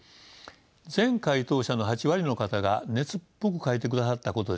全回答者の８割の方が熱っぽく書いてくださったことでした。